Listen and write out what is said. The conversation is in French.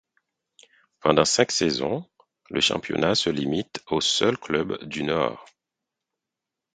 Pendant cinq saisons, le championnat se limite aux seuls clubs du Nord.